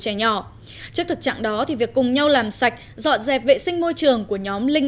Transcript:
trẻ nhỏ trước thực trạng đó thì việc cùng nhau làm sạch dọn dẹp vệ sinh môi trường của nhóm linh